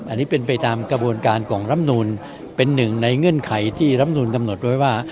อันนี้เป็นไปตามกระบวนการของรำนูลเป็นหนึ่งในเงื่อนไขที่รำนูนกำหนดไว้ว่า